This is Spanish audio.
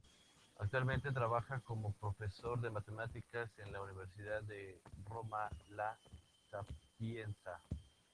Actualmente trabaja como profesor de matemáticas en la Universidad de Roma La Sapienza.